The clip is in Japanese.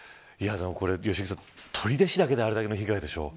でも、これ取手市だけであれだけの被害でしょう。